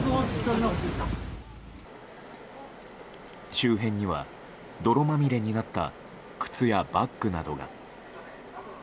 周辺には泥まみれになった靴やバッグなどが。